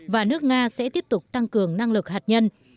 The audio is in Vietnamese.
và nước nga sẽ tiếp tục tăng cường năng lực hạt nhân